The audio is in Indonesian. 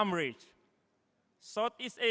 pembangunan yang indah untuk kita